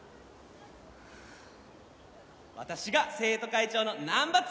私が生徒会長の難破剛です！